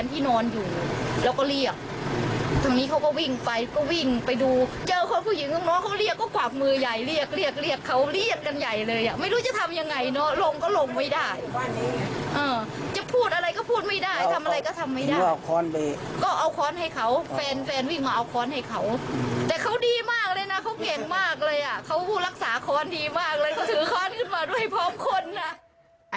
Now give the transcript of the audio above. ถือค้อนขึ้นมาด้วยพร้อมคนนะ